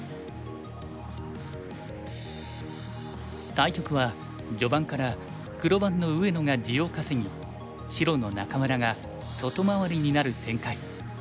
対局は序盤から黒番の上野が地を稼ぎ白の仲邑が外回りになる展開。